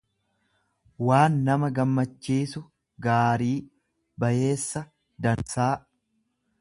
waan nama gammachiisu, gaarii, bayeessa, dansaa.